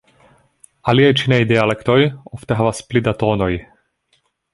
Aliaj ĉinaj dialektoj ofte havas pli da tonoj.